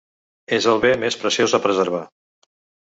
És el bé més preciós a preservar.